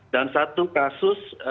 dan satu kasus